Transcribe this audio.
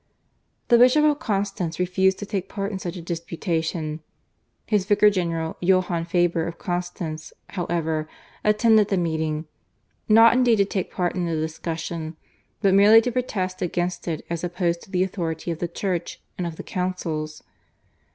The Bishop of Constance refused to take part in such a disputation. His vicar general, Johann Faber of Constance, however, attended the meeting, not indeed to take part in the discussion but merely to protest against it as opposed to the authority of the Church and of the councils.